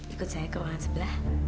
ikut saya ke ruangan sebelah